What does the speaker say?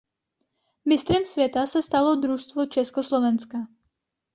Mistrem světa se stalo družstvo Československa.